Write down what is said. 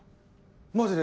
マジで？